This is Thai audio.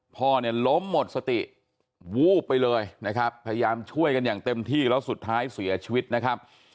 พ่อเนี่ยล้มหมดสติวูบไปเลยนะครับพยายามช่วยกันอย่างเต็มที่แล้วสุดท้ายเสียชีวิตนะครับ